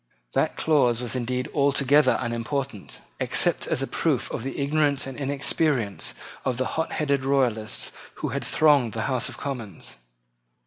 That clause was indeed altogether unimportant, except as a proof of the ignorance and inexperience of the hotheaded Royalists who thronged the House of Commons.